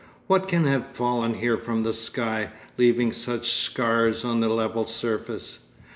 What can have fallen here from the sky, leaving such scars on the level surface?